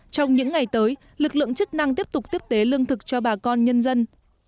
trong những ngày tới lực lượng chức năng tiếp tục tiếp tế lương thực cho bà con nhân dân